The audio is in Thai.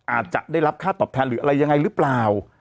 อาจจะได้รับค่าตอบแทนหรืออะไรยังไงหรือเปล่า